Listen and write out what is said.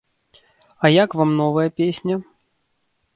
А як вам новая песня?